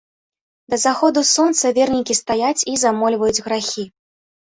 Да заходу сонца вернікі стаяць і замольваюць грахі.